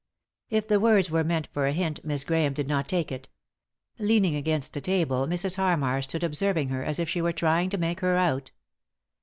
If the words were meant for a hint Miss Grahame did not take it. Leaning against a table Mrs. Harmar stood observing her as if she were trying to make her out.